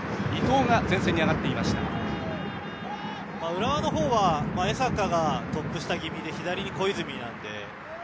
浦和のほうは江坂がトップ下気味で左に小泉なので。